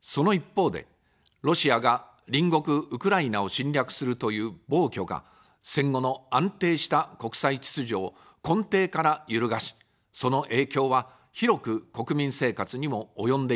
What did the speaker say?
その一方で、ロシアが隣国ウクライナを侵略するという暴挙が、戦後の安定した国際秩序を根底から揺るがし、その影響は広く国民生活にも及んでいます。